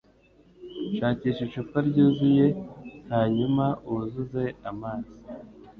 Shakisha icupa ryuzuye hanyuma wuzuze amazi.